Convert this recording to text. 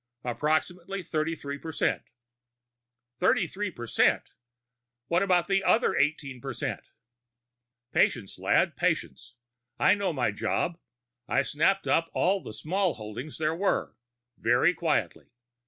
Approximately thirty three percent." "Thirty three percent! What about the other eighteen percent?" "Patience, lad, patience. I know my job. I snapped up all the small holdings there were, very quietly.